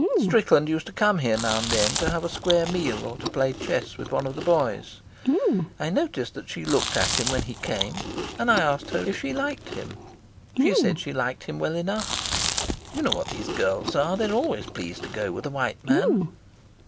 Strickland used to come here now and then to have a square meal or to play chess with one of the boys. I noticed that she looked at him when he came, and I asked her if she liked him. She said she liked him well enough. You know what these girls are; they're always pleased to go with a white man."